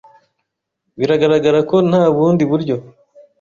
Biragaragara ko nta bundi buryo.